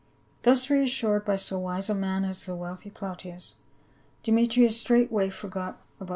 Thus reassured by so wise a man as the wealthy Plautius, Demetrius straightway forgot the whole matter.